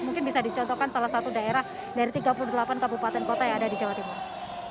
mungkin bisa dicontohkan salah satu daerah dari tiga puluh delapan kabupaten kota yang ada di jawa timur